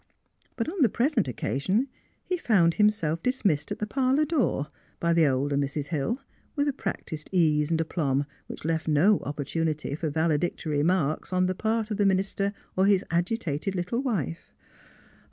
But on the present occasion he found himself dis missed at the parlour door by the older Mrs. Hill, with a practised ease and aplomb which left no opportunity for valedictory remarks on the part of the minister or his agitated little wife.